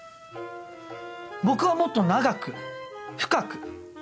僕はもっと長く深く。